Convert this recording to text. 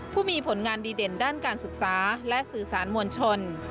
ผู้มีผลงานดีเด่นด้านการศึกษาและสื่อสารมวลชน